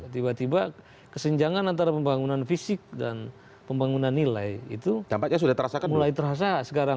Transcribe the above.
tiba tiba kesenjangan antara pembangunan fisik dan pembangunan nilai itu dampaknya sudah mulai terasa sekarang